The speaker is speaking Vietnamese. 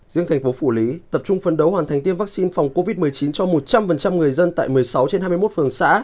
riêng thành phố phủ lý tập trung phân đấu hoàn thành tiêm vaccine phòng covid một mươi chín cho một trăm linh người dân tại một mươi sáu trên hai mươi một phường xã